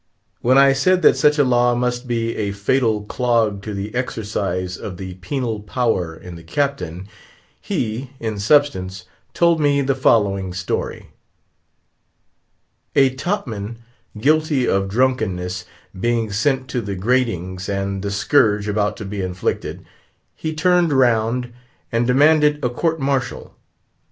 When I said that such a law must be a fatal clog to the exercise of the penal power in the Captain, he, in substance, told me the following story. A top man guilty of drunkenness being sent to the gratings, and the scourge about to be inflicted, he turned round and demanded a court martial.